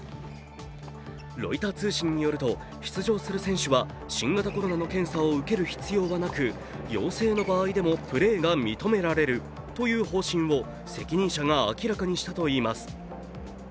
ロイター通信によると、出場する選手は新型コロナの検査を受ける必要がなく、陽性の場合でもプレーが認められるという方針を責任者が明らかにしたといいます。